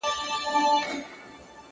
ليونى نه يم ليونى به سمه ستـا له لاســـه!!